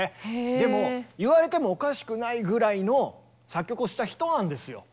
でも言われてもおかしくないぐらいの作曲をした人なんですよ。